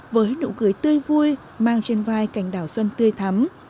với nụ cười tươi vui mang trên vai cảnh đảo xuân tươi thắm